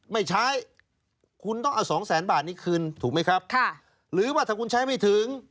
ไม่ใช้คุณต้องเอาสองแสนบาทนี้คืนถูกไหมครับค่ะหรือว่าถ้าคุณใช้ไม่ถึง